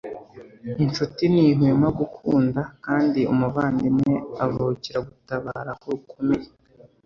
incuti ntihwema gukunda kandi umuvandimwe avukira gutabara aho rukomeye